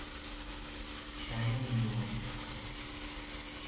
Shion Inoue